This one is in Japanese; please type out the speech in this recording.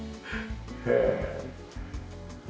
へえ。